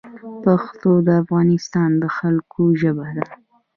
پښتو د افغانستان د خلګو ژبه ده